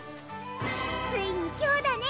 ついに今日だね！